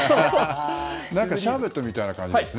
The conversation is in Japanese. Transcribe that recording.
シャーベットみたいな感じですね。